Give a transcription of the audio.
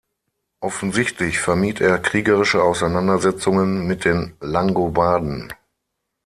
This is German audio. Offensichtlich vermied er kriegerische Auseinandersetzungen mit den Langobarden.